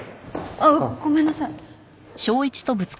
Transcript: あっごめんなさい。